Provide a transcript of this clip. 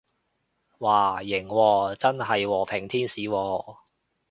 嘩，型喎，真係和平天使喎